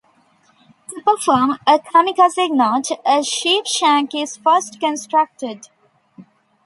To perform a kamikaze knot, a sheepshank is first constructed.